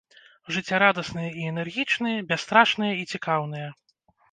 Жыццярадасныя і энергічныя, бясстрашныя і цікаўныя.